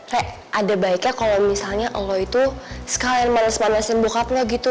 rek ada baiknya kalau misalnya lo itu sekalian manis manisin bokap lo gitu